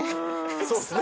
そうですね。